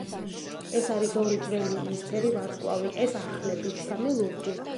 ეს არის ორი ძველი იისფერი ვარსკვლავი. ეს ახლები; სამი ლურჯი.